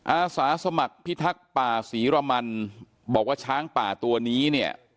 อาสาสมัครพิทักษ์ป่าศรีรมันบอกว่าช้างป่าตัวนี้เนี่ย